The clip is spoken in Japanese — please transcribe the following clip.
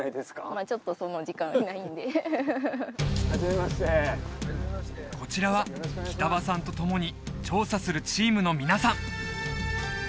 まあちょっとその時間はないんではじめましてはじめましてこちらは北場さんとともに調査するチームの皆さん